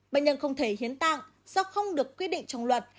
bệnh nhân không thể hiến tạng do không được quy định trong luật